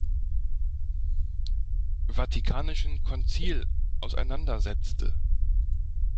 Vatikanischen Konzil auseinandersetzte.